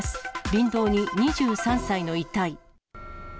林道に２３歳の遺体。